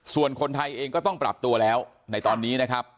ส่วนคนไทยเองก็ต้องปรับตัวแล้วในตอนนี้นะครับ